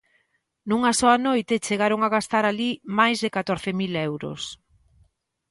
Nunha soa noite, chegaron a gastar alí máis de catorce mil euros.